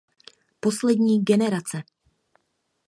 Poslední generace!